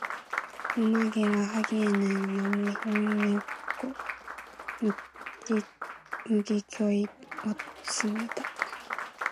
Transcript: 음악이라 하기에는 너무 힘있고 무기교이었습니다.